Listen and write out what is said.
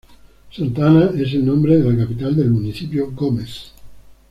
Santa Ana es el nombre de la capital del municipio Gómez.